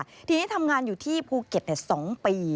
ทีนี้ทำงานอยู่ที่ภูเก็ต๒ปี